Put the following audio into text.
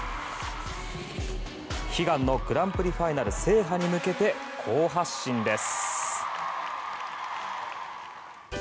悲願のグランプリファイナル制覇に向けて好発進です。